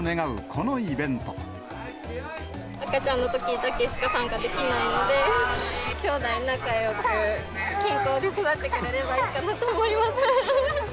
この赤ちゃんのときだけしか参加できないので、兄弟仲よく、健康に育ってくれればいいかなと思います。